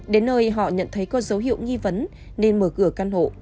đến nơi họ nhận thấy có dấu hiệu nghi vấn nên mở cửa căn hộ